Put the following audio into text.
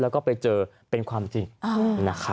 แล้วก็ไปเจอเป็นความจริงนะครับ